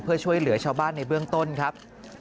เพื่อช่วยเหลือชาวบ้านในเบื้องต้นครับ